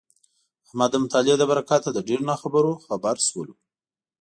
احمد د مطالعې له برکته له ډېرو ناخبرو خبر شولو.